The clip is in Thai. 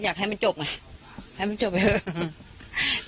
อยากให้มันจบไงให้มันจบไปเถอะ